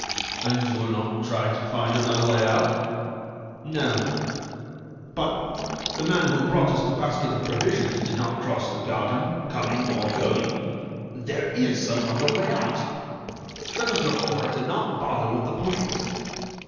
"And you will not try to find another way out?" "No." "But the man who brought us the basket of provisions did not cross the garden, coming or going. There is some other way out. Let us look for it, and not bother with the police."